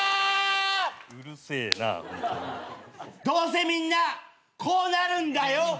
どうせみんなこうなるんだよ。